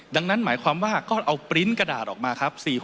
ดังนั้นหมายความว่าก็เอาปริ้นต์กระดาษออกมาครับ